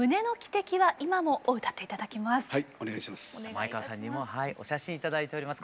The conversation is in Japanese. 前川さんにもお写真頂いております。